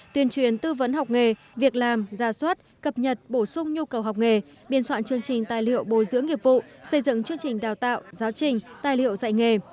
tuyên truyền tư vấn học nghề việc làm gia soát cập nhật bổ sung nhu cầu học nghề biên soạn chương trình tài liệu bồi dưỡng nghiệp vụ xây dựng chương trình đào tạo giáo trình tài liệu dạy nghề